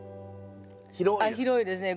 広いですか？